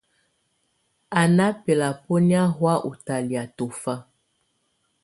Á́ ná bɛlabɔ́nyá hɔ̀á ú talɛ̀á tɔ́fà.